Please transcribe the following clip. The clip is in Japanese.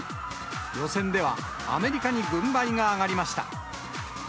予選では、アメリカに軍配が上がりました。